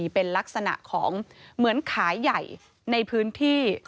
เป็นลักษณะของเหมือนขายใหญ่ในพื้นที่